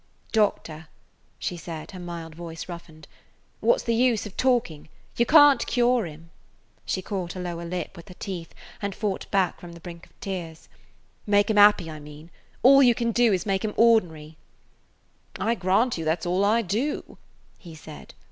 "Doctor," she said, her mild voice roughened, "what 's the use of talking? You can't cure him,"–she caught her lower lip with her teeth and fought back from the brink of tears,–"make him happy, I mean. All you can do is to make him ordinary." "I grant you that 's all I do," he said.